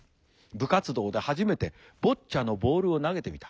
部活動で初めてボッチャのボールを投げてみた。